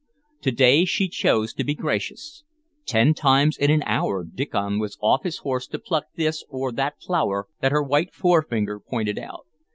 To day she chose to be gracious. Ten times in an hour Diccon was off his horse to pluck this or that flower that her white forefinger pointed out.